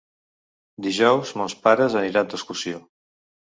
Dijous mons pares aniran d'excursió.